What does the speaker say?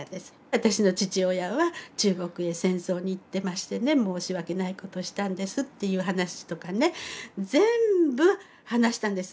私の父親は中国へ戦争に行ってましてね申し訳ないことをしたんですっていう話とかね全部話したんです